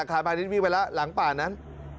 อาคารพาณิชย์วิ่งไปแล้วหลังป่านั้น